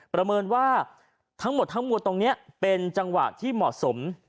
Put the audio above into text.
ประเมินว่าทั้งหมดทั้งมวลตรงนี้เป็นจังหวะที่เหมาะสม